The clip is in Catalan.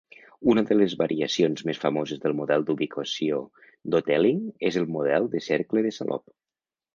Una de les variacions més famoses del model d'ubicació d'Hotelling és el model de cercle de Salop.